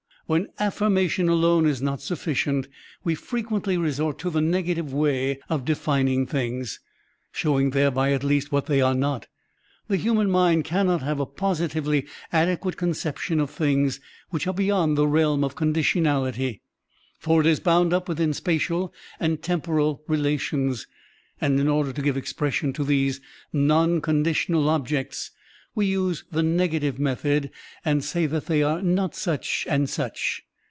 When affirmation alone is not sufficient, we frequently resort to the negative way of defining things, showing thereby at least what they are not. The himian mind cannot have a positively adequate conception of things which are beyond the realm of conditionality, for it is bound up within spatial and temporal relations; and in order to give expression to these non conditional objects, we use the negative method and say that they are not such and such.